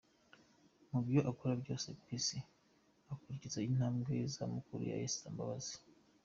Mu byo akora byose, Peace akurikiza intambwe za mukuru we Esther Mbabazi.